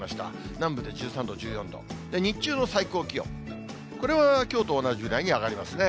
南部で１３度、１４度、日中の最高気温、これはきょうと同じぐらいに上がりますね。